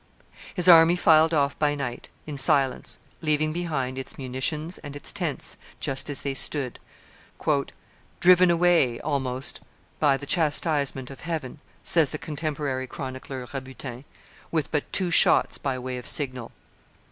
His army filed off by night, in silence, leaving behind its munitions and its tents just as they stood, "driven away, almost, by the chastisement of Heaven," says the contemporary chronicler Rabutin, "with but two shots by way of signal."